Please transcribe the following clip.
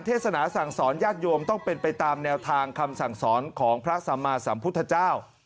เทศนาสั่งสอนญาติโยมต้องเป็นไปตามแนวทางคำสั่งสอนของพระสัมมาสัมพุทธเจ้า